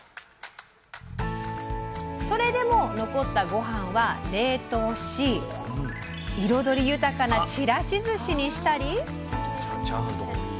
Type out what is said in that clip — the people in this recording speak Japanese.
それでも、残ったごはんは冷凍し彩り豊かなちらしずしにしたり。